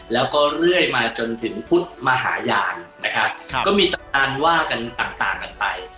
แล้วก็เรื่อยมาจนถึงพุทธมหาญาณนะครับก็มีอันว่ากันต่างกันไป